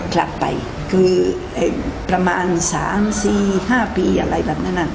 กลับไปคือประมาณ๓๔๕ปีอะไรแบบนั้น